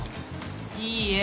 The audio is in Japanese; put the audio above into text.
いいえ！